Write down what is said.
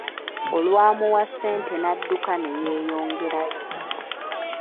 Olwamuwa ssente n'adduka ne yeeyongerayo.